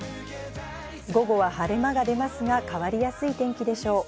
午後は晴れ間が出ますが変わりやすい天気でしょう。